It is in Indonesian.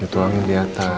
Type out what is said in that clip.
itu angin di atas